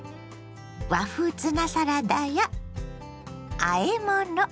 和風ツナサラダやあえ物。